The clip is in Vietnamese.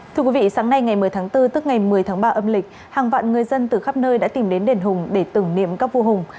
thưa quý vị sáng nay ngày một mươi tháng bốn tức ngày một mươi tháng ba âm lịch hàng vạn người dân từ khắp nơi đã tìm đến đền hùng để tưởng niệm các vua hùng